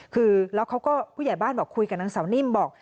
คือแล้วเขาก็ผู้ใหญ่บ้านบอกคุยกับนางสาวนิ่มบอก